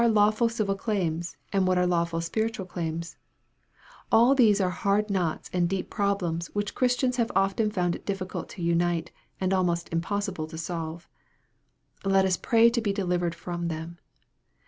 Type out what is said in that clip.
lawful civil claims and what are lawful spiritual claims all these are hard knots and deep problems which Christians have often found it difficult to untie, and almost im possible to solve. Let us pray to be delivered from them.